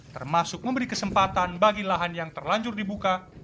termasuk memberi kesempatan bagi lahan yang terlanjur dibuka